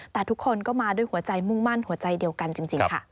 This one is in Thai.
แต่ทุกคนก็มาด้วยหัวใจมุ่งมั่นหัวใจเดียวกันจริงค่ะ